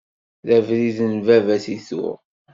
D abrid n baba-s i tuɣ.